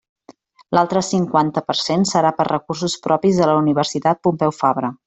L'altre cinquanta per cent serà per recursos propis de la Universitat Pompeu Fabra.